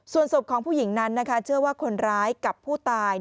ส่วนศพของผู้หญิงนั้นเชื่อว่าคนร้ายกับผู้ตาย